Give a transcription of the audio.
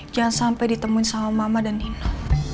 jangan sampai ditemuin sama mama dan dino